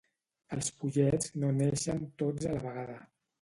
Els pollets no neixen tots a la vegada